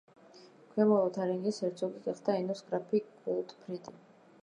ქვემო ლოთარინგიის ჰერცოგი გახდა ენოს გრაფი გოტფრიდი.